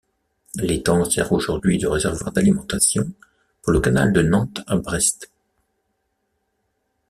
L'étang sert aujourd'hui de réservoir d'alimentation pour le Canal de Nantes à Brest.